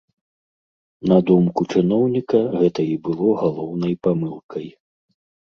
На думку чыноўніка, гэта і было галоўнай памылкай.